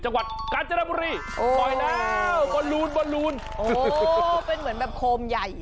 จังหวัดกาญจนบุรีปล่อยแล้วบอลลูนบอลลูนเป็นเหมือนแบบโคมใหญ่